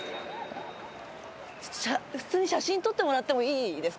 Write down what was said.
普通に写真撮ってもらってもいいですか？